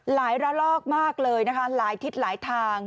ระลอกมากเลยนะคะหลายทิศหลายทาง